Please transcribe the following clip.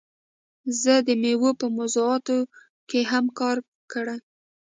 زه د میوو په موضوعاتو کې هم کار کړی.